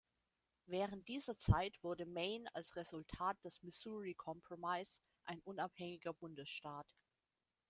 Während dieser Zeit wurde Maine als Resultat des Missouri Compromise ein unabhängiger Bundesstaat.